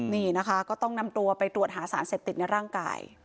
นี่นะคะก็ต้องนำตัวไปตรวจหาสารเสพติดในร่างกาย